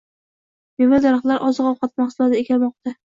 Mevali daraxtlar, oziq-ovqat mahsulotlari ekilmoqda